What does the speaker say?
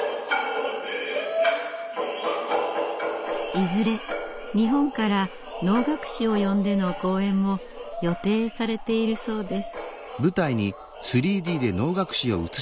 いずれ日本から能楽師を呼んでの公演も予定されているそうです。